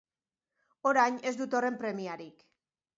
Orain ez dut horren premiarik.